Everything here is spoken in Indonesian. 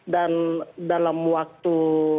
dan dalam waktu